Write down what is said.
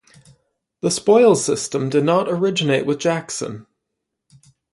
The spoils system did not originate with Jackson.